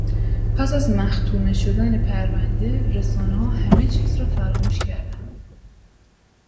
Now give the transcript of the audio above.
پس از مختومه شدن پرونده، رسانهها همه چیز را فراموش کردند